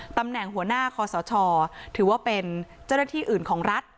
ตำแหน่งหัวหน้าคอสชถือว่าเป็นเจ้าหน้าที่อื่นของรัฐ